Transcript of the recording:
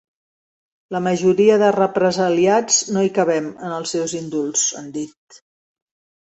“La majoria de represaliats no hi cabem, en els seus indults”, han dit.